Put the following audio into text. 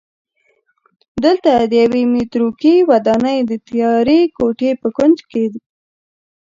دلته د یوې متروکې ودانۍ د تیارې کوټې په کونج کې